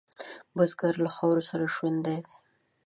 بزګر له خاورو سره ژوندی دی